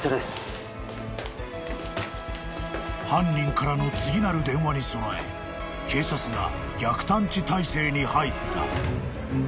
［犯人からの次なる電話に備え警察が逆探知態勢に入った］